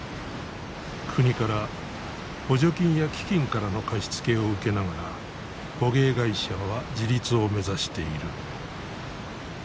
国から補助金や基金からの貸し付けを受けながら捕鯨会社は自立を目指している。